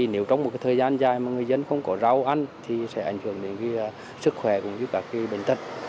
nếu trong một thời gian dài mà người dân không có rau ăn thì sẽ ảnh hưởng đến sức khỏe cũng như các bệnh tật